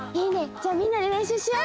じゃあみんなでれんしゅうしよう！